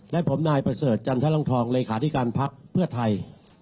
และผมนายประเสริฐจันทรลังทองเลขาธิการพักเพื่อไทย